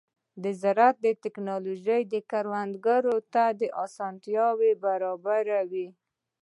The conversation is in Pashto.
د زراعت ټیکنالوژي کروندګرو ته اسانتیاوې برابروي.